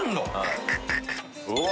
うわ！